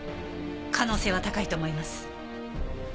可能性は高いと思います。